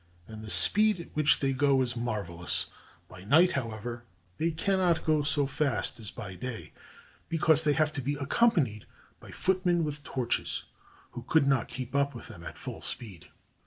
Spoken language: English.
And the speed at which they go is marvelous. By night, however, they cannot go so fast as by day, because they have to be accompanied by footmen with torches, who could not keep up with them at full speed.